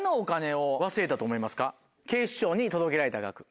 警視庁に届けられた額。